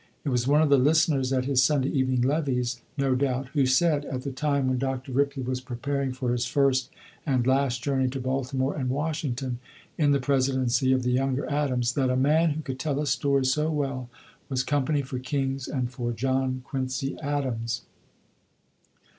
It was one of the listeners at his Sunday evening levees, no doubt, who said (at the time when Dr. Ripley was preparing for his first and last journey to Baltimore and Washington, in the presidency of the younger Adams) "that a man who could tell a story so well was company for kings and for John Quincy Adams."